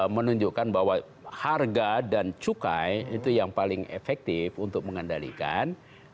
menunjukkan bahwa harga dan cukai itu yang paling efektif untuk mengendalikan